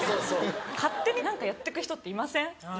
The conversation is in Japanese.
勝手に何かやってく人っていません？